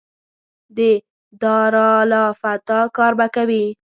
د دارالافتا کار به کوي.